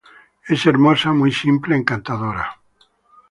Es hermosa, muy simple, encantadora.